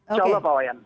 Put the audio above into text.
insya allah pak wayan